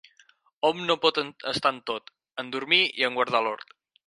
Hom no pot estar en tot, en dormir i en guardar l'hort.